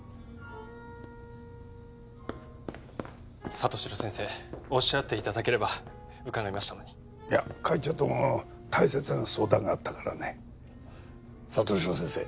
里城先生おっしゃっていただければ伺いましたのにいや会長とも大切な相談があったからね里城先生